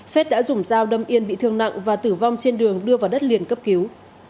phết đã dùng dao đâm yên bị thương nặng và tử vong trên đường đưa vào đất liền cấp cứu